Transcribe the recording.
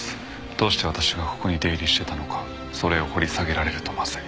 どうして私がここに出入りしてたのかそれを掘り下げられるとまずい。